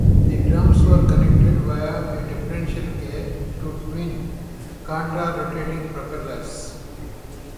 The drums were connected via a differential gear to twin contra-rotating propellers.